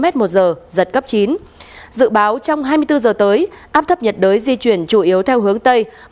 trong dự báo trong hai mươi bốn h tới áp thấp nhiệt đới di chuyển theo hướng tây tây